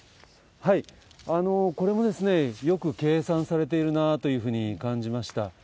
これもよく計算されているなというふうに感じました。